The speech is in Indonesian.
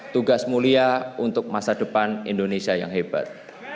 tugas mulia untuk masa depan indonesia yang hebat